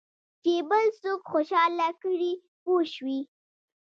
چې بل څوک خوشاله کړې پوه شوې!.